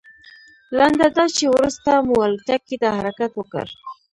لنډه دا چې وروسته مو الوتکې ته حرکت وکړ.